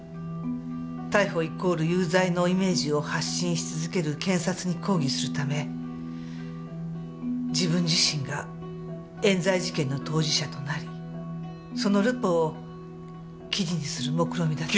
逮捕イコール有罪のイメージを発信し続ける検察に抗議するため自分自身が冤罪事件の当事者となりそのルポを記事にするもくろみだった。